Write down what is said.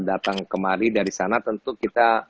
datang kemari dari sana tentu kita